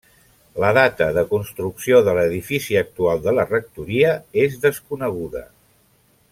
La data de construcció de l'edifici actual de la rectoria és desconeguda.